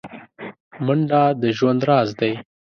منډه د ژوند راز دی